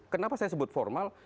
kenapa saya sebut formal